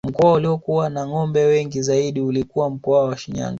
Mkoa uliokuwa na ngombe wengi zaidi ulikuwa mkoa wa Shinyanga